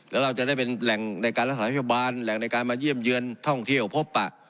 แล้วเราจะได้เป็นแหล่งในการรักษาพยาบาลแหล่งในการมาเยี่ยมเยือนท่องเที่ยวพบปะ